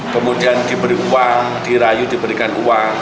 kemudian diberi uang dirayu diberikan uang